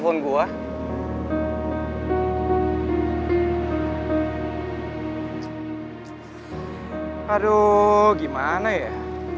papa taro dulu ya